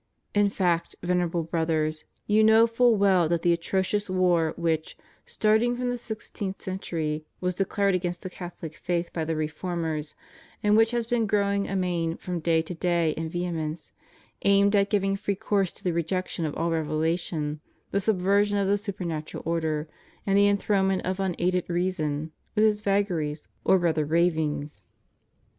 In fact, Venerable Brothers, you know full well that the atrocious war which, starting from the sixteenth century, was declared against the Catholic faith by the Reformers, and which has been growing amain from day to day in vehemence, aimed at giving free course to the rejection of all revelation, the subversion of the supernatural order, and the enthrone ment of unaided reason, with its vagaries or rather ravings.